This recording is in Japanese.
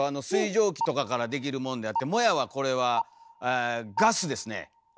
水蒸気とかからできるもんであってもやはこれはガスですね。